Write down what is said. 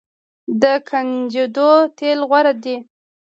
د کنجدو تیل غوره دي.